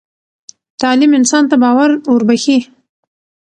تعلیم انسان ته باور وربخښي.